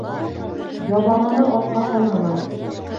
Ябағаны атҡа һанама